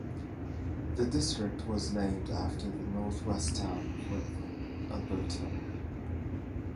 The district was named after the north west town of Whitford, Alberta.